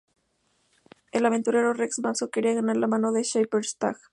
El aventurero Rex Mason quería ganar la mano de Sapphire Stagg.